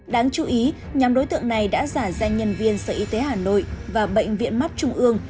đáng chú ý nhóm đối tượng này đã giả danh nhân viên sở y tế hà nội và bệnh viện mắt trung ương